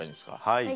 はい。